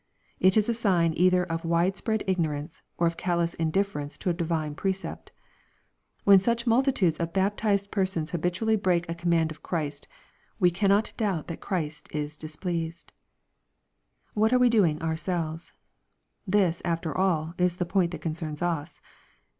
It is a sign either of wide spread ignorance, or of callous indifference to a divine precept. When such multitudes of baptized per sons habitually break a command of Christ, we cannot doubt that Christ is displeased. What are we doing ourselves ? This, after all, is the point that concerns us.